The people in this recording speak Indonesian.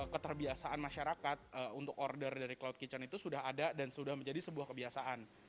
keterbiasaan masyarakat untuk order dari cloud kitchen itu sudah ada dan sudah menjadi sebuah kebiasaan